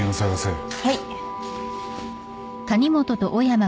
はい。